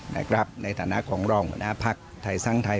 ในฐานะของรองหัวหน้าภักดิ์ไทยสร้างไทย